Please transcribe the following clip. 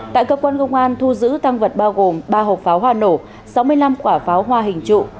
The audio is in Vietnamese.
tại cơ quan công an thu giữ tăng vật bao gồm ba hộp pháo hoa nổ sáu mươi năm quả pháo hoa hình trụ